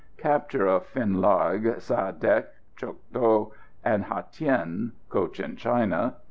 Capture of Finh Larg, Sa dec, Cho doc and Hatien (Cochin China).